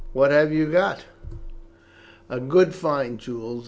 "What have you got?" "A good find, Jules.